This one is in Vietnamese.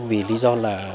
vì lý do là